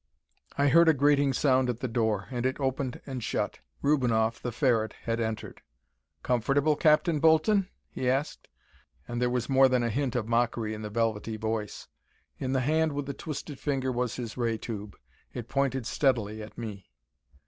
I heard a grating sound at the door, and it opened and shut. Rubinoff, the Ferret, had entered. "Comfortable, Captain Bolton?" he asked, and there was more than a hint of mockery in the velvety voice. In the hand with the twisted finger was his ray tube. It pointed steadily at me.